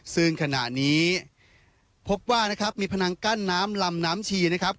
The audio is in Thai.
ซึ่งขณะนี้พบว่านะครับมีพนังกั้นน้ำลำน้ำชีนะครับ